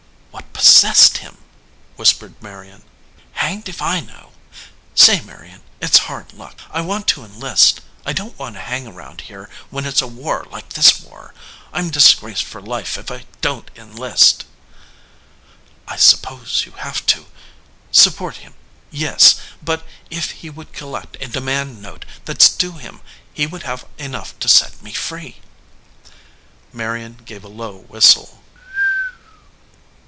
"What possessed him ?" whispered Marion. "Hanged if I know. Say, Marion, it s hard luck. I want to enlist. I don t want to hang around here when it s a war like this war. I m disgraced for life if I don t enlist." "I suppose you have to " "Support him, yes. But if he would collect a demand note that s due him he would have enough to set me free." Marion gave a low whistle.